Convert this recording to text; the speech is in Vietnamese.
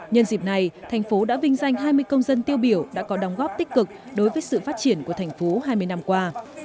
nhân dịp này thành phố đã vinh danh hai mươi công dân tiêu biểu đã có đóng góp tích cực đối với sự phát triển của thành phố hai mươi năm qua